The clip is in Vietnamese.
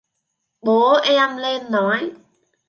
Bố em lên nói